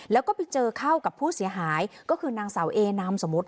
ไปเจอเข้ากับผู้เสียหายนางสาวเอน้ามสมมติ